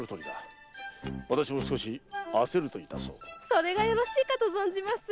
それがよろしいかと存じます。